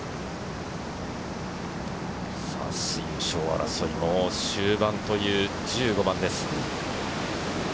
優勝争いも終盤という１５番です。